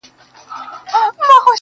لکه ماسوم بې موره_